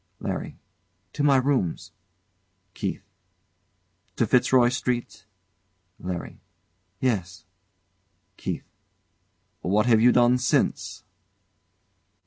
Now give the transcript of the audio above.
LARRY. To my rooms. KEITH. To Fitzroy Street? LARRY. Yes. KEITH. What have you done since?